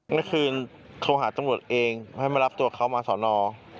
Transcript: เมื่อคืนโทรหาตำรวจเองให้มารับตัวเขามาสอนอ